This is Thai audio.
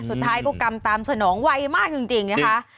สุดท้ายก็กำตามสนองไวมากจริงนะคะ